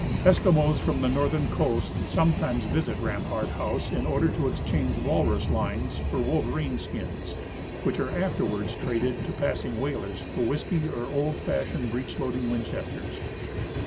Eskimos from the northern coast sometimes visit Rampart house in order to exchange walrus lines for wolverine skins, which are afterwards traded to passing whalers for whisky or old fashioned breech loading Winchesters.